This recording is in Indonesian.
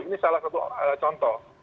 ini salah satu contoh